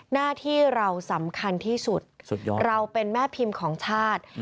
หน้าที่เราสำคัญที่สุดยอดเราเป็นแม่พิมพ์ของชาติ